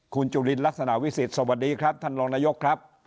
คุณจุลินลักษณะวิสิทธิสวัสดีครับท่านรองนายกครับ